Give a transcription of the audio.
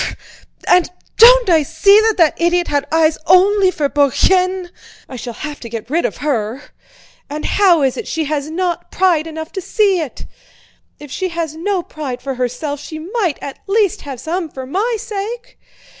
Fr... fr... fr! And don't I see that that idiot had eyes only for Bourienne—I shall have to get rid of her. And how is it she has not pride enough to see it? If she has no pride for herself she might at least have some for my sake!